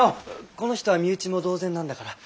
この人は身内も同然なんだから。